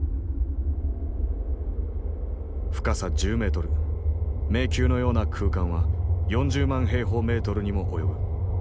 深さ１０メートル迷宮のような空間は４０万平方メートルにも及ぶ。